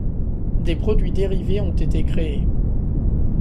Des produits dérivés ont été créés.